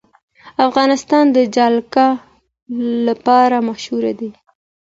افغانستان د جلګه لپاره مشهور دی.